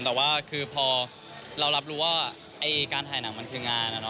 แต่ว่าคือพอเรารับรู้ว่าการถ่ายหนังมันคืองาน